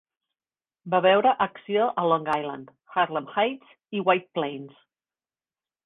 Va veure acció a Long Island, Harlem Heights i White Plains.